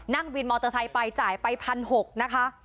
นั่งวินมอเตอร์ไซค์ไปจ่ายไป๑๖๐๐นะคะ